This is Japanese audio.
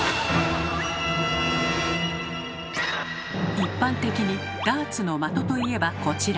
一般的にダーツのまとと言えばこちら。